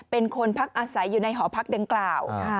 เป็นคนพักอาศัยอยู่ในหอพักดังกล่าว